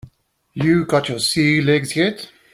You got your sea legs yet?